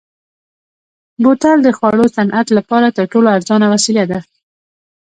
بوتل د خوړو صنعت لپاره تر ټولو ارزانه وسیله ده.